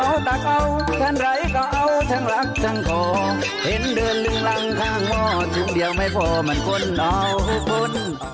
เห็นเดือนลึงหลังทั้งห้อจึงเดียวไม่พอมันค้นอ้อเฮ้ยคุณ